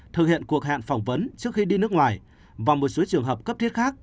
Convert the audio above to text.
thực hiện cuộc hẹn phỏng vấn trước khi đi nước ngoài và một số trường hợp cấp thiết khác